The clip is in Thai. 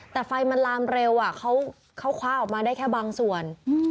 แต่ไฟมันลามเร็วเขาคว้าออกมาได้แค่บางส่วน